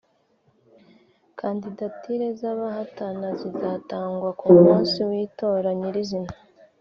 kandidatire z’abahatana zizatangwa ku munsi w’itora nyir’izina